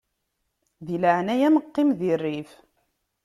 Di leɛnaya-m qqim di rrif.